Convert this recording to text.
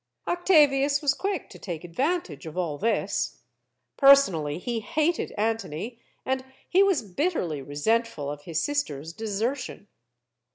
Octavius was quick to take advantage of all this. Personally, he hated Antony, and he was bitterly re sentful of his sister's desertion.